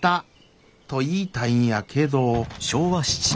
と言いたいんやけど。